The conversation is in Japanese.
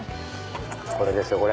これですよこれ！